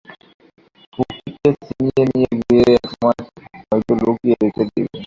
খুকিকে ছিনিয়ে নিয়ে গিয়ে একমাস হয়তো লুকিয়ে রেখে দেবে।